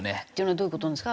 どういう事なんですか？